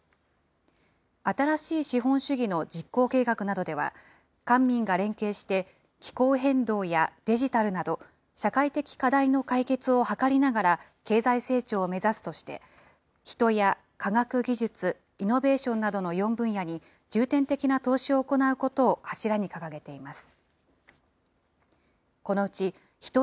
新しい資本主義の実行計画などでは、官民が連携して、気候変動やデジタルなど、社会的課題の解決を図りながら経済成長を目指すとして、人や科学技術・イノベーションなどの４分野に、重点的な投資を行うことを柱に掲げています。